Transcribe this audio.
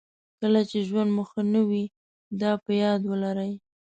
کله چې ژوند مو ښه نه وي دا په یاد ولرئ.